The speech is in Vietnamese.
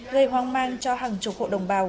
gây hoang mang cho hàng chục hộ đồng bào